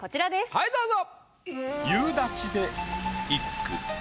はいどうぞ。